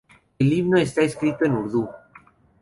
El himno está escrito en Urdú.